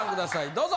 どうぞ。